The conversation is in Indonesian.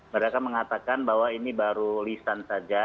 mereka mengatakan bahwa ini baru lisan saja